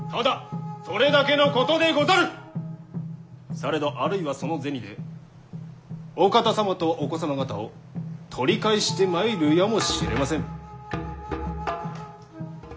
されどあるいはその銭でお方様とお子様方を取り返してまいるやもしれません。